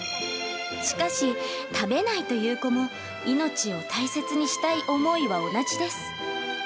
しかし食べないという子も命を大切にしたい思いは同じです。